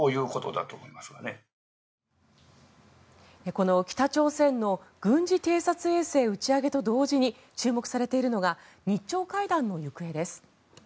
この北朝鮮の軍事偵察衛星打ち上げと同時に注目されているのが日朝会談の行方です。